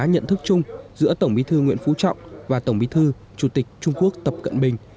nhận thức chung giữa tổng bí thư nguyễn phú trọng và tổng bí thư chủ tịch trung quốc tập cận bình